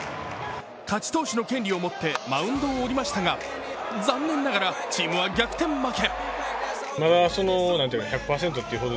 勝ち投手の権利を持ってマウンドを降りましたが残念ながらチームは逆転負け。